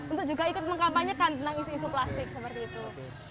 untuk juga ikut mengkampanyekan tentang isu isu plastik seperti itu